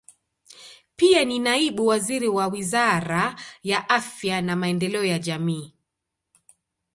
Pia ni naibu waziri wa Wizara ya Afya na Maendeleo ya Jamii.